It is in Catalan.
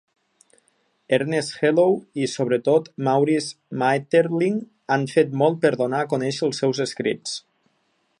Ernest Hello i sobretot Maurice Maeterlinck han fet molt per donar a conèixer els seus escrits.